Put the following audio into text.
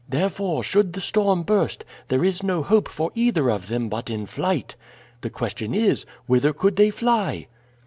Therefore should the storm burst, there is no hope for either of them but in flight. The question is, whither could they fly?